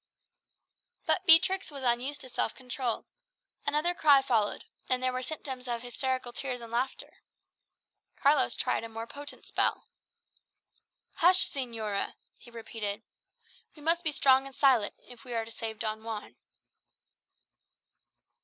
But Beatrix was unused to self control. Another cry followed, and there were symptoms of hysterical tears and laughter. Carlos tried a more potent spell. "Hush, señora!" he repeated. "We must be strong and silent, if we are to save Don Juan."